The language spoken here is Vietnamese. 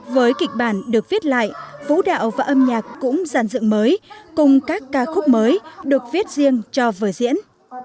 với kịch bản được viết lại vũ đạo và âm nhạc cũng giàn dựng mới cùng các ca khúc mới được viết riêng cho vở diễn